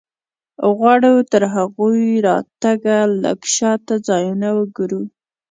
غواړو تر هغوی راتګه لږ زیات ځایونه وګورو.